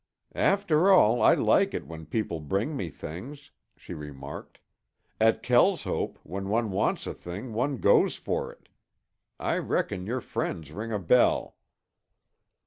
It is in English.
"After all, I like it when people bring me things," she remarked. "At Kelshope, when one wants a thing one goes for it. I reckon your friends ring a bell."